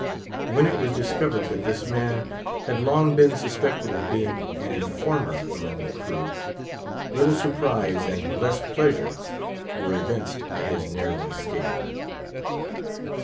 When it was discovered that this man had long been suspected of being an informer among the crew, little surprise and less pleasure were evinced at his narrow escape.